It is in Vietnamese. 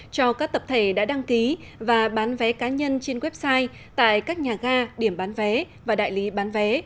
cho các tập thể đã đăng ký và bán vé cá nhân trên website tại các nhà ga điểm bán vé và đại lý bán vé